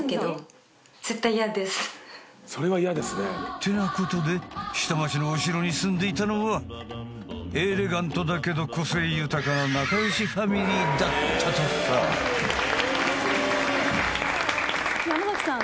ってなことで下町のお城に住んでいたのはエレガントだけど個性豊かな仲よしファミリーだったとさ山崎さん